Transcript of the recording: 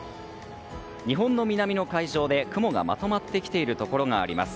日本の南の海上で雲がまとまってきているところがあります。